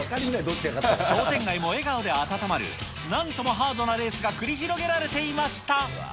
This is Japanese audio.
商店街も笑顔で温まるなんともハードなレースが繰り広げられていました。